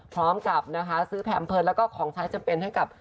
พร้อมกับนะคะซื้อแถมเพลินแล้วก็ของใช้จำเป็นให้กับ